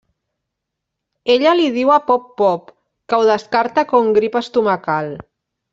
Ella li diu a Pop-Pop, que ho descarta com grip estomacal.